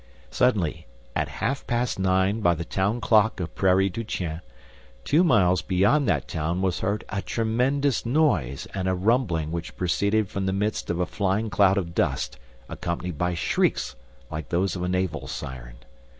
Suddenly at half past nine by the town clock of Prairie du chien, two miles beyond that town was heard a tremendous noise and rumbling which proceeded from the midst of a flying cloud of dust accompanied by shrieks like those of a naval siren.